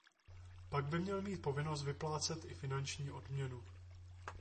Pak by měl mít povinnost vyplácet i finanční odměnu.